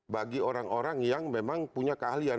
bagi orang orang yang memang punya keahlian